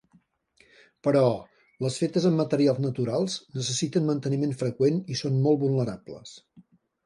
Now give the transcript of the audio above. Però, les fetes amb materials naturals necessiten manteniment freqüent i són molt vulnerables.